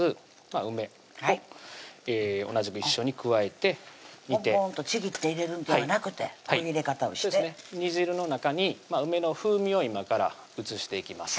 梅を同じく一緒に加えてポンポンとちぎって入れるんではなくこういう入れ方をして煮汁の中に梅の風味を今から移していきます